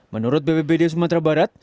menurut bpbd sumatera barat